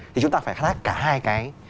thì chúng ta phải khai thác cả hai cái